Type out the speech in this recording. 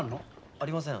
ありません。